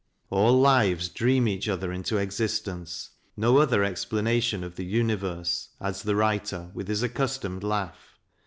All lives dream each other into existence; "no other explana tion of the universe," adds the writer with his accus tomed laugh.